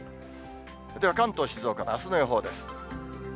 では関東、静岡のあすの予報です。